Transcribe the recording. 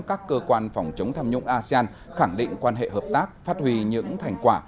các cơ quan phòng chống tham nhũng asean khẳng định quan hệ hợp tác phát huy những thành quả